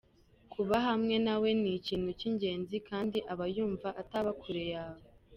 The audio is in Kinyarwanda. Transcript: Kuba hamwe nawe ni ikintu kingenzi kandi aba yumva ataba kure yawe.